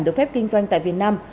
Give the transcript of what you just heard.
được phép kinh doanh tại việt nam